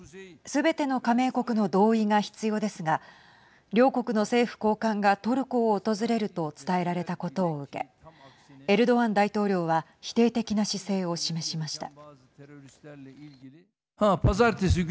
すべての加盟国の同意が必要ですが両国の政府高官がトルコを訪れると伝えられたことを受けエルドアン大統領は、否定的な姿勢を示しました。